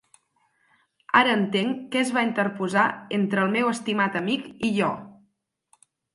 Ara entenc què es va interposar entre el meu estimat amic i jo.